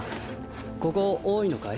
ここ多いのかい？